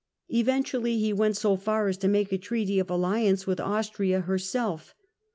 Eventually he went so far as to make a treaty of alliance with Austria herself.